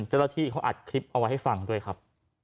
เจ้าหน้าที่เขาอัดคลิปเอาไว้ให้ฟังด้วยครับ